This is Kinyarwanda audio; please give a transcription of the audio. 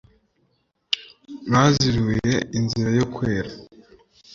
mwaziruye inzira yo kwera